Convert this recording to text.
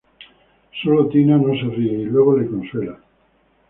Sólo Tina no se ríe y luego le consuela.